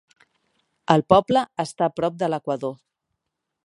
El poble està prop de l'equador.